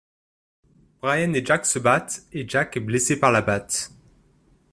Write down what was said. Brian et Jack se battent et Jack est blessé par la batte.